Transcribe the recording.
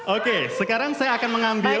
oke sekarang saya akan mengambil